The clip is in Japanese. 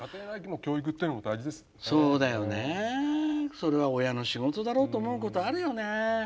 それは親の仕事だろうと思うことあるよね。